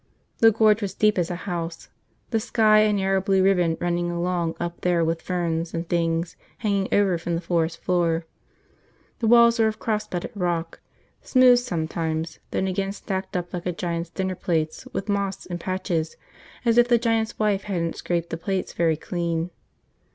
The Gorge was deep as a house, the sky a narrow blue ribbon running along up there with ferns and things hanging over from the forest floor. The walls were of cross bedded rock, smooth sometimes, then again stacked up like a giant's dinner plates with moss in patches as if the giant's wife hadn't scraped the plates very clean.